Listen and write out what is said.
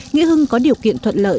nghĩa hưng có điều kiện thuận lợi